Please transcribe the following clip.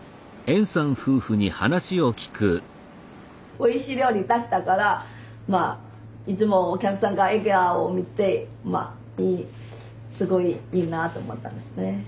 おいしい料理出したからいつもお客さんが笑顔を見てすごいいいなあと思ったんですね。